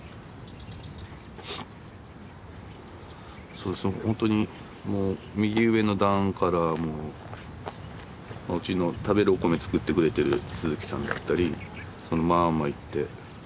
そうそうほんとにもう右上の段からもううちの食べるお米作ってくれてる鈴木さんだったりそのまんまいっていや